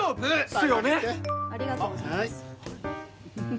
っすよねありがとうございます